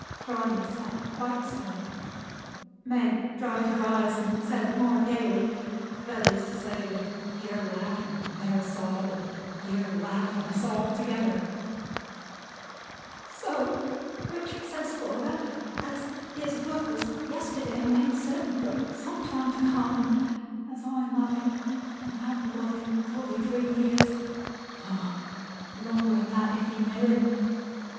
Trotty sat quite still, Meg dried her eyes, and said more gayly: that is to say, with here a laugh, and there a sob, and here a laugh and sob together: "So Richard says, father; as his work was yesterday made certain for some time to come, and as I love him and have loved him fully three years ah! longer than that, if he knew it!